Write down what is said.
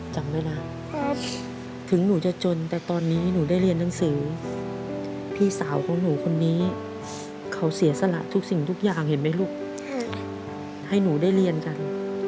ช่วยแม่กรอกเกลืออีกเหมือนกันครับ